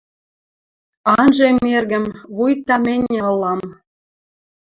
Анжем эргӹм — вуйта мӹньӹ ылам.